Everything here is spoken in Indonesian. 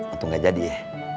untung gak jadi ya